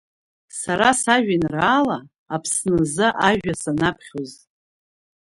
Сара сажәеинраала Аԥсны азы ажәа санаԥхьоз…